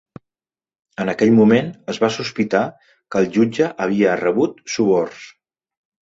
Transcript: En aquell moment es va sospitar que el jutge havia rebut suborns.